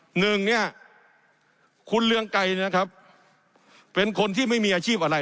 หนึ่งเนี่ยคุณเรืองไกรนะครับเป็นคนที่ไม่มีอาชีพอะไร